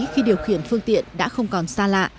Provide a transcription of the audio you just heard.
khi điều khiển phương tiện đã không còn xa lạ